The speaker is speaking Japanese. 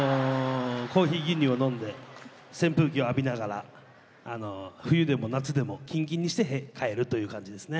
コーヒー牛乳を飲んで扇風機を浴びながら冬でも夏でもキンキンにして帰るという感じですね。